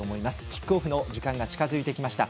キックオフの時間が近づいてきました。